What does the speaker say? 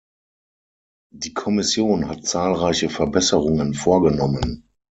Die Kommission hat zahlreiche Verbesserungen vorgenommen.